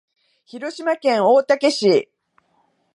広島県大竹市